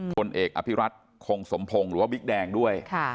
พลเอกอภิรัตคงสมพงศ์หรือว่าบิ๊กแดงด้วย